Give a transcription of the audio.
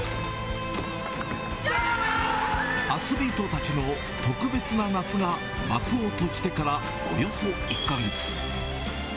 アスリートたちの特別な夏が幕を閉じてからおよそ１か月。